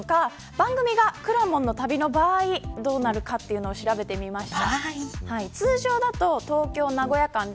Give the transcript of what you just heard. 番組が、くらもんの旅の場合どうなるのか調べてみました。